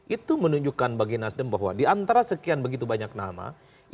itu menunjukkan bagi nasdem bahwa di antara sekian begitu banyak nama